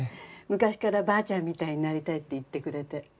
昔からばあちゃんみたいになりたいって言ってくれて。